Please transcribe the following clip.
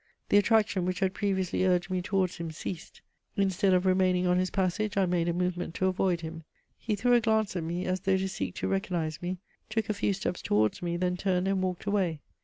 The attraction which had previously urged me towards him ceased; instead of remaining on his passage, I made a movement to avoid him. He threw a glance at me as though to seek to recognise me, took a few steps towards me, then turned and walked away.